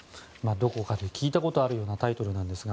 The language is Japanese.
どこかで聞いたことあるようなタイトルなんですが。